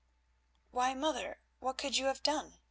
"Why, mother, what could you have done?"